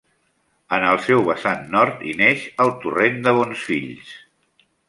En el seu vessant nord hi neix el torrent de Bonsfills.